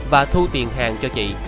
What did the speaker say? và thu tiền hàng cho chị